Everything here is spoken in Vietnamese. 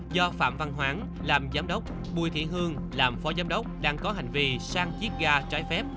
do phạm văn hoáng làm giám đốc bùi thị hương làm phó giám đốc đang có hành vi sang chiếc ga trái phép